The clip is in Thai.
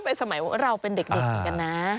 ไปสมัยว่าเราเป็นเด็กกันนะ